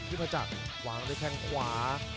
คริพรจักรหวางกันในแคงขวา